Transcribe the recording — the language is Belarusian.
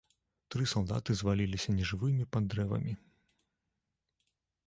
Тры салдаты зваліліся нежывымі пад дрэвамі.